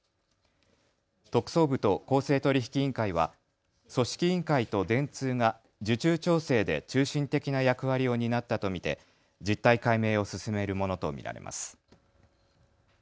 特捜部と公正取引委員会は組織委員会と電通が受注調整で中心的な役割を担ったと見て実態解明を進めるものと見られます。